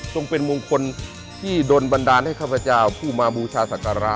เป็นมงคลที่โดนบันดาลให้ข้าพเจ้าผู้มาบูชาศักระ